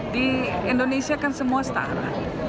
di indonesia kan semua setara